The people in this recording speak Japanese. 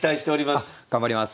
あ頑張ります。